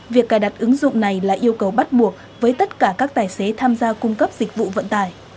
việc cài đặt ứng dụng này là yêu cầu bắt buộc với tất cả các tài xế tham gia cung cấp dịch vụ vận tải